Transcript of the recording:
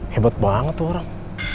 hebat banget orang